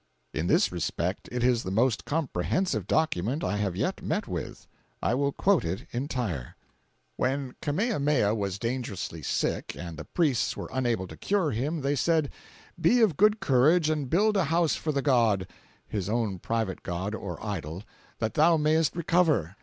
In this respect it is the most comprehensive document I have yet met with. I will quote it entire: "When Kamehameha was dangerously sick, and the priests were unable to cure him, they said: 'Be of good courage and build a house for the god' (his own private god or idol), that thou mayest recover.